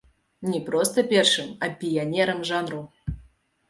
Не проста першым, а піянерам жанру.